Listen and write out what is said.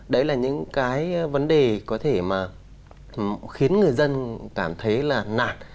đấy là những cái vấn đề có thể mà khiến người dân cảm thấy là nạt